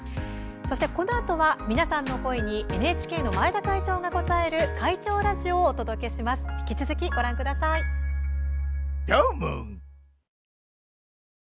このあとは皆さんの声にＮＨＫの前田会長が応える「会長ラジオ」をお届けします。